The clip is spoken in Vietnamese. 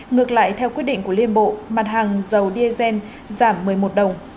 ngược lại theo quyết định của liên bộ mặt hàng dầu diesel giảm một mươi một đồng